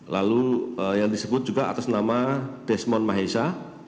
lalu yang disebut juga atas nama desmond mahesa